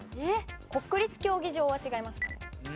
国立競技場は違いますかね？